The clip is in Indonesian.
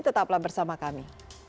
tetaplah bersama kami